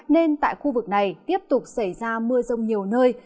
nên tại khu vực này tiếp tục xảy ra mưa rông nhiều nơi